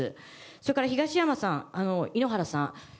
それから、東山さん井ノ原さん